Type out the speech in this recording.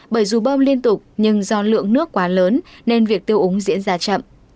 bởi dù bơm liên tục nhưng do lượng nước quá lớn nên việc tiêu úng diễn ra chậm